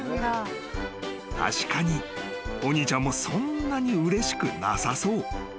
［確かにお兄ちゃんもそんなにうれしくなさそう］